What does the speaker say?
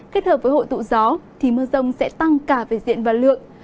kết hợp với hội tụ gió thì mưa rông sẽ tăng cả về diện và lượng